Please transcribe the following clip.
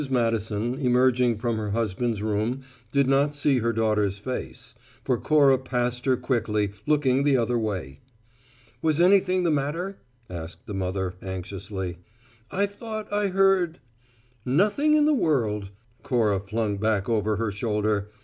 Madison, emerging from her husband's room, did not see her daughter's face; for Cora passed her quickly, looking the other way. "Was anything the matter?" asked the mother anxiously. "I thought I heard " "Nothing in the world," Cora flung back over her shoulder.